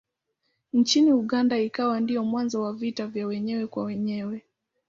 Nchini Uganda ikawa ndiyo mwanzo wa vita vya wenyewe kwa wenyewe.